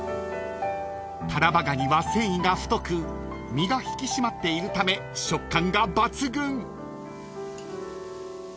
［たらば蟹は繊維が太く身が引き締まっているため食感が抜群！］